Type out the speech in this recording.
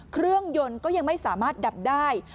เครื่องยนต์ก็ยังไม่สามารถดับได้